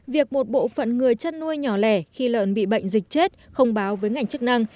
việc một bộ phận người chăn nuôi nhỏ lẻ khi lợn bị bệnh dịch chết không báo với ngành chức năng